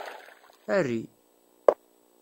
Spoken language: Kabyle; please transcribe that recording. Arry